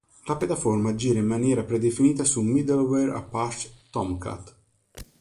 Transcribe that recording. La piattaforma gira in maniera predefinita sul middleware Apache Tomcat.